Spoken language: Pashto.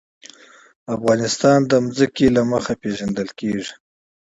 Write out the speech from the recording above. افغانستان د ځمکه له مخې پېژندل کېږي.